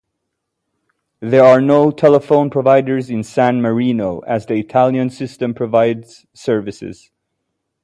There are no telephone providers in San Marino as the Italian system provides services.